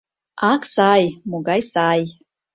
— Ак сай, могай сай...